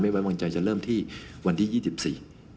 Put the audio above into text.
ไม่ไว้วงใจจะเริ่มที่วันที่๒๔